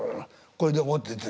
これで持ってって。